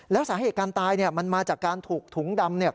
แล้วสาเหตุการณ์ตายเนี่ยมันมาจากการถูกถุงดำเนี่ย